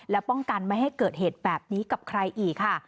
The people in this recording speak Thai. และป้องกันไม่ให้เกิดเหตุแบบนี้กับใครอีกค่ะ